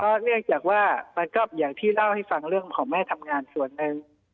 เนื่องจากว่ามันก็อย่างที่เล่าให้ฟังเรื่องของแม่ทำงานส่วนหนึ่ง